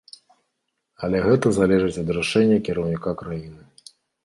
Але гэта залежыць ад рашэння кіраўніка краіны.